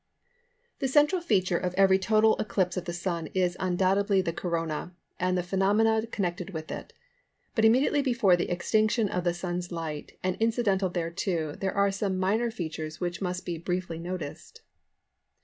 The central feature of every total eclipse of the Sun is undoubtedly the Corona and the phenomena connected with it; but immediately before the extinction of the Sun's light and incidental thereto there are some minor features which must be briefly noticed.